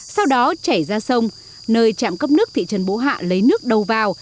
sau đó chảy ra sông nơi trạm cấp nước thị trần bố hạ lấy nước đầu vào